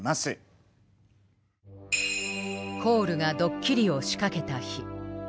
コールがドッキリを仕掛けた日。